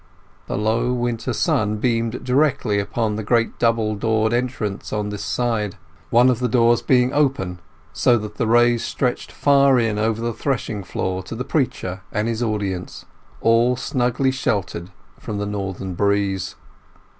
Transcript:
The low winter sun beamed directly upon the great double doored entrance on this side; one of the doors being open, so that the rays stretched far in over the threshing floor to the preacher and his audience, all snugly sheltered from the northern breeze.